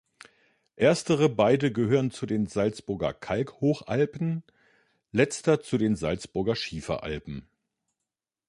Erstere beide gehören zu den Salzburger Kalkhochalpen, letzter zu den Salzburger Schieferalpen.